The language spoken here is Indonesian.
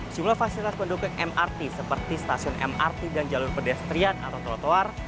jumlah fasilitas pendukung mrt seperti stasiun mrt dan jalur pedestrian atau trotoar